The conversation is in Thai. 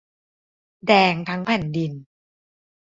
แดงทั้งแผ่นดิน